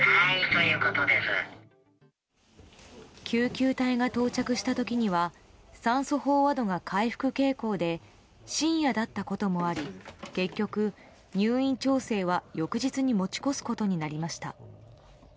救急隊が到着した時には酸素飽和度が回復傾向で深夜だったこともあり結局、入院調整は翌日に持ち越すことになりました。